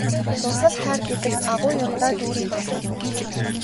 Дурлал хайр гэдэг агуу юм даа Дүүриймаа минь!